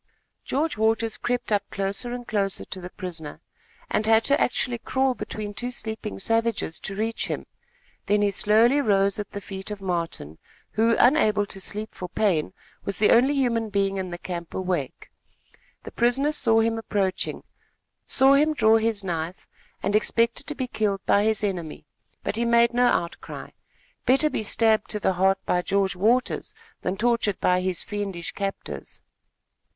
George Waters crept up closer and closer to the prisoner, and had to actually crawl between two sleeping savages, to reach him; then he slowly rose at the feet of Martin, who, unable to sleep for pain, was the only human being in the camp awake. The prisoner saw him approaching, saw him draw his knife, and expected to be killed by his enemy; but he made no outcry. Better be stabbed to the heart by George Waters than tortured by his fiendish captors.